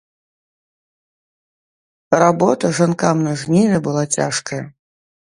Работа жанкам на жніве была цяжкая.